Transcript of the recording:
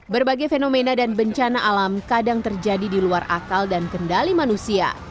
berbagai fenomena dan bencana alam kadang terjadi di luar akal dan kendali manusia